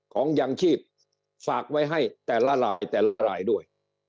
ของยังชีพฝากไว้ให้แต่ละลายด้วย